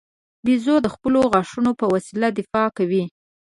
بیزو د خپلو غاښو په وسیله دفاع کوي.